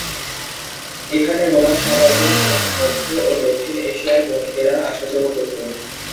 এখানে রোমান সাম্রাজ্য, চীন, মধ্য ও দক্ষিণ এশিয়ার বণিকেরা আসা-যাওয়া করত।